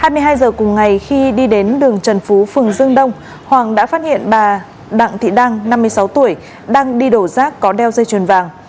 hai mươi hai giờ cùng ngày khi đi đến đường trần phú phường dương đông hoàng đã phát hiện bà đặng thị đăng năm mươi sáu tuổi đang đi đổ rác có đeo dây chuyền vàng